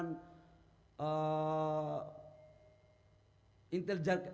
singapura ini kami sudah melakukan